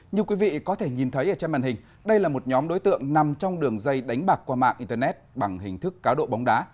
như quý vị có thể nhìn thấy ở trên màn hình đây là một nhóm đối tượng nằm trong đường dây đánh bạc qua mạng internet bằng hình thức cá độ bóng đá